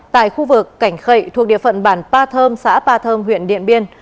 tại khu vực cảnh khậy thuộc địa phận bản pa thơm xã pa thơm huyện điện biên